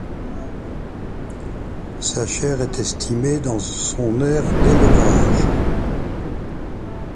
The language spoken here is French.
Sa chair est estimée dans son aire d'élevage.